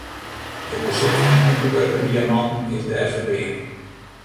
It besit fan ûnbewurke diamanten is dêr ferbean.